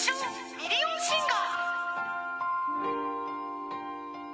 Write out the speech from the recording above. ミリオンシンガー